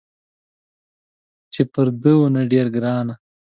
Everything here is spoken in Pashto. چې پر ده وه ډېره ګرانه